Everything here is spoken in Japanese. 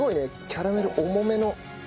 キャラメル重めの。